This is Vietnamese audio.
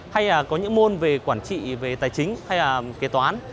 hay là có những môn về quản trị về tài chính hay là kế toán